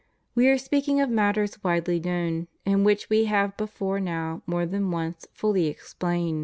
We are speaking of matters widely known, and which We have before now more than once fully explained.